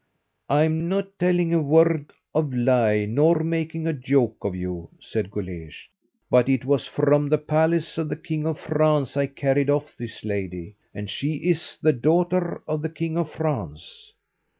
"I'm not telling a word of lie, nor making a joke of you," said Guleesh; "but it was from the palace of the king of France I carried off this lady, and she is the daughter of the king of France."